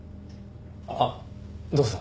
あっどうぞ。